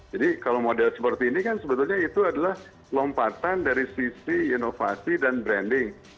kalau model seperti ini kan sebetulnya itu adalah lompatan dari sisi inovasi dan branding